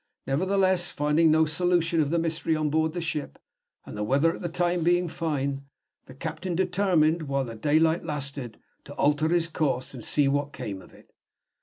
Nevertheless, finding no solution of the mystery on board the ship, and the weather at the time being fine, the captain determined, while the daylight lasted, to alter his course, and see what came of it.